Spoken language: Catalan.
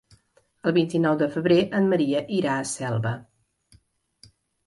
El vint-i-nou de febrer en Maria irà a Selva.